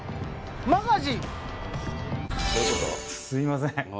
すいません。